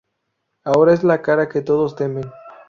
Ahora es la cara que todos temen.